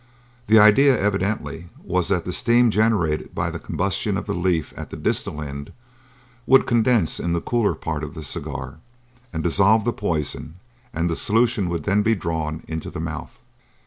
The idea evidently was that the steam generated by the combustion of the leaf at the distal end, would condense in the cooler part of the cigar and dissolve the poison, and the solution would then be drawn into the mouth.